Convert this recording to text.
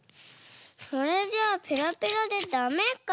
これじゃあペラペラでダメか。